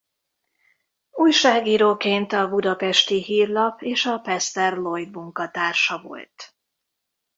Újságíróként a Budapesti Hírlap és a Pester Lloyd munkatársa volt.